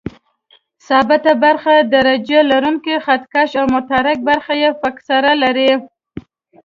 ثابته برخه یې درجه لرونکی خط کش او متحرکه برخه یې فکسره لري.